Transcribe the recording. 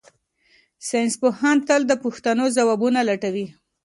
ساینس پوهان تل د پوښتنو ځوابونه لټوي.